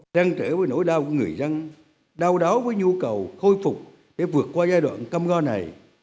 đang trễ với nỗi đau của người dân đau đáo với nhu cầu khôi phục để vượt qua giai đoạn căm go này